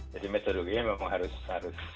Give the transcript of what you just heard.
jadi metodologinya memang harus harus